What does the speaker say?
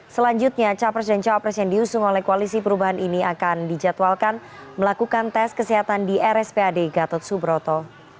selanjutnya capres dan cawapres yang diusung oleh koalisi perubahan ini akan dijadwalkan melakukan tes kesehatan di rspad gatot subroto